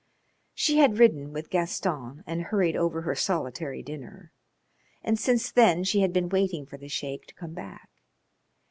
She had ridden with Gaston, and hurried over her solitary dinner, and since then she had been waiting for the Sheik to come back.